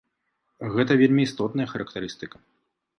Гэта вельмі істотная характарыстыка.